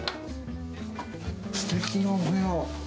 すてきなお部屋。